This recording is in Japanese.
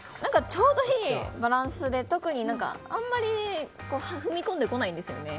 ちょうどいいバランスで特に、あんまり踏み込んでこないんですね